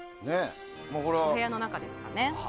部屋の中ですかね。